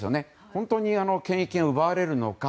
本当に権益が奪われるのか。